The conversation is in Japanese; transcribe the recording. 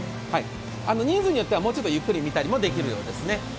人数によってはもうちょっとゆっくり見たりもできるようですね。